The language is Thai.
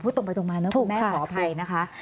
ตรงไปตรงมานะคุณแม่ขออภัยนะคะ